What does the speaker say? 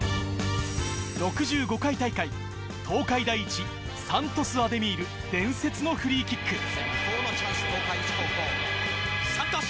６５回大会、東海大一、三渡洲アデミール、伝説のフリーキック。